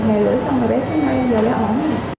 ngày rưỡi xong rồi bé sớm nay giờ đã ổn rồi